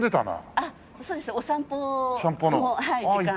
あっそうですお散歩の時間が。